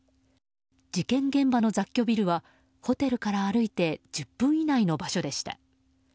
事件現場の雑居ビルはホテルから歩いて１０分以内の場所でした。